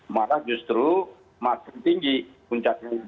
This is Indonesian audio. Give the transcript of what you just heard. malah justru makin tinggi puncaknya